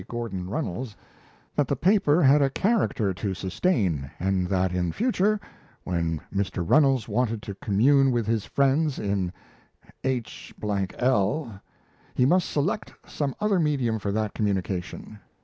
Gordon Runnels that the paper had a character to sustain, and that in future, when Mr. Runnels wanted to commune with his friends in h l, he must select some other medium for that communication!